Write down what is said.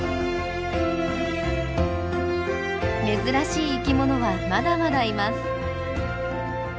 珍しい生きものはまだまだいます。